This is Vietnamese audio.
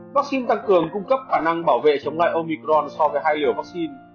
vaccine tăng cường cung cấp khả năng bảo vệ chống lại omicron so với hai liều vaccine